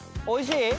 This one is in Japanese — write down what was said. おいしい？